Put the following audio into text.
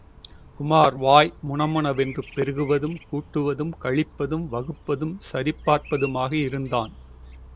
உமார் வாய் முணமுணவென்று பெருக்குவதும் கூட்டுவதும் கழிப்பதும் வகுப்பதும் சரிபார்ப்பதுமாக இருந்தான்.